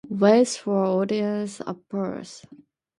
Waits for audience applause.